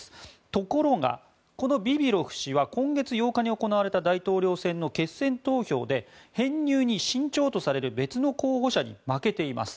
ところが、このビビロフ氏は今月８日に行われた大統領選の決選投票で編入に慎重とされる別の候補者に負けています。